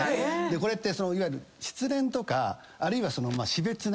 これいわゆる失恋とかあるいは死別ね。